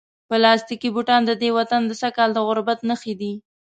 پلاستیکي بوټان د دې وطن د سږکال د غربت نښې دي.